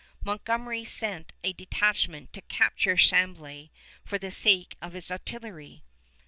Montgomery sent a detachment to capture Chambly for the sake of its artillery.